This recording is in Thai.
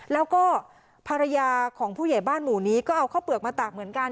แล้วก็ภรรยาของผู้ใหญ่บ้านหมู่นี้ก็เอาข้าวเปลือกมาตากเหมือนกัน